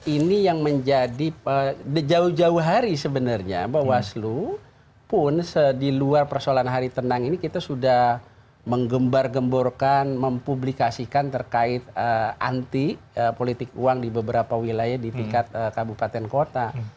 ini yang menjadi jauh jauh hari sebenarnya bawaslu pun di luar persoalan hari tenang ini kita sudah menggembar gemborkan mempublikasikan terkait anti politik uang di beberapa wilayah di tingkat kabupaten kota